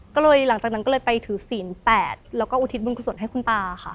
ก็เลยหลังจากนั้นก็เลยไปถือศีล๘แล้วก็อุทิศบุญกุศลให้คุณตาค่ะ